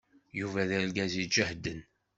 Yuba d argaz iǧehden.